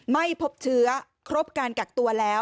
ไม่พบเชื้อครบการกักตัวแล้ว